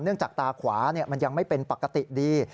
จากตาขวามันยังไม่เป็นปกติดี